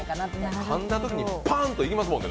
かんだときにパンといきますもんね。